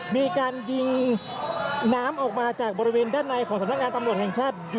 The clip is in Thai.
มีการยิงน้ำออกมาจากบริเวณด้านในของสำนักงานตำรวจแห่งชาติ